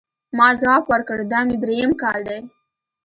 ما ځواب ورکړ، دا مې درېیم کال دی.